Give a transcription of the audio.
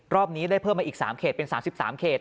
รอบนี้ได้เพิ่มมาอีก๓เขตเป็น๓๓เขต